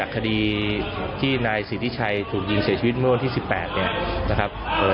ทีที่นายศิริชัยถูกยิงเสียชีวิตเมือนทำวงประธานคม๑๘